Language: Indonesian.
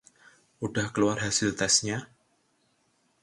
udah keluar hasil testnya?